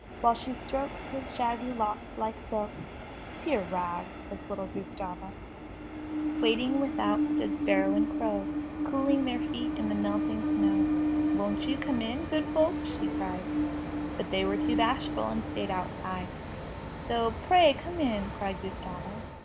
While she strokes his shaggy locks, like silk. "Dear Rags! says little Gustava. 169 MY BOOK HOUSE Waiting without stood sparrow and crow, Cooling their feet in the melting snow. ''Won't you come in, good folk?'* she cried. But they were too bashful, and stayed outside, Though 'Tray come in!" cried Gustava.